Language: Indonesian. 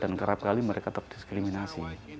dan kerap kali mereka tetap diskriminasi